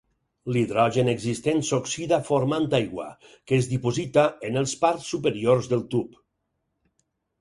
L'hidrogen existent s'oxida formant aigua, que es diposita en els parts superiors del tub.